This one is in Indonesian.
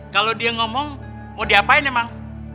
kalau dia ngomong mau diapain emang